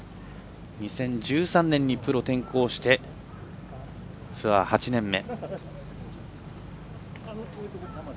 ２０１３年にプロ転向してツアー８年目。